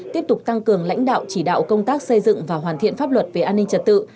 tiếp tục tăng cường lãnh đạo chỉ đạo công tác xây dựng và hoàn thiện pháp luật về an ninh trật tự